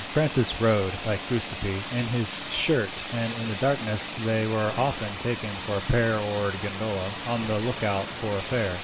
Francis rowed, like Giuseppi, in his shirt, and in the darkness they were often taken for a pair oared gondola on the lookout for a fare.